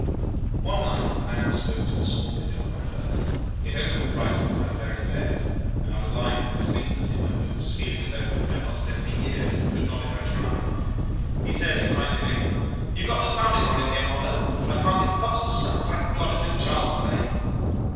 "One night Mahon spoke through the small window of my berth. It opened right into my very bed, and I was lying there sleepless, in my boots, feeling as though I had not slept for years, and could not if I tried. He said excitedly "'You got the sounding rod in here, Marlow? I can't get the pumps to suck. By God! it's no child's play.